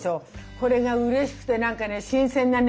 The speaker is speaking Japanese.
これがうれしくてなんかね新鮮なね